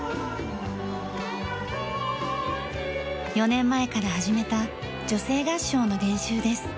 ４年前から始めた女声合唱の練習です。